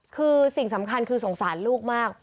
คือสิ่งสำคัญคือสงสารลูกมาก